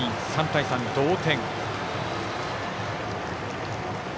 ３対３と同点。